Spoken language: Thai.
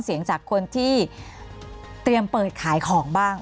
เสียงจากคนที่เตรียมเปิดขายของบ้าง